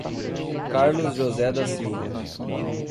Carlos José da Silva